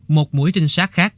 một mũi trinh sát khác